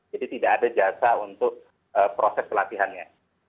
jadi tidak ada jasa untuk proses pelatihannya